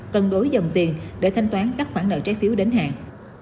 cần đối dòng tiền để thanh toán các khoản nợ trái phiếu đến hàng